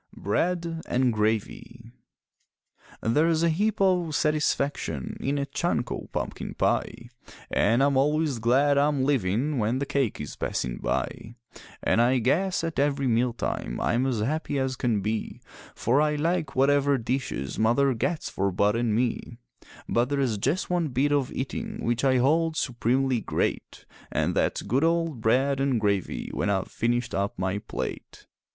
BREAD AND GRAVY There's a heap o' satisfaction in a chunk o' pumpkin pie, An' I'm always glad I'm livin' when the cake is passin' by; An' I guess at every meal time I'm as happy as can be, For I like whatever dishes Mother gets for Bud an' me; But there's just one bit of eatin' which I hold supremely great, An' that's good old bread and gravy when I've finished up my plate.